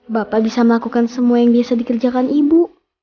bapak bisa melakukan semua yang biasa dikerjakan ibu